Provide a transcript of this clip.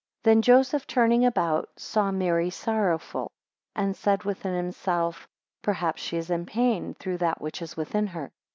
6 Then Joseph turning about saw Mary sorrowful, and said within himself, Perhaps she is in pain through that which is within her.